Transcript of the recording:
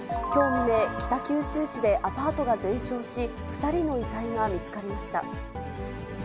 きょう未明、北九州市でアパートが全焼し、２人の遺体が見つかりました。